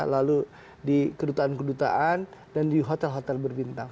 lalu di kedutaan kedutaan dan di hotel hotel berbintang